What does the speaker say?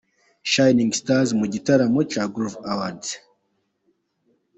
Shining stars mu gitaramo cya Groove Awards.